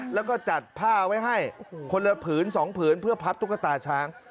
แล้วก็จัดผ้าไว้ให้คนละผืน๒ผืนเพื่อพับตุ๊กตาช้าง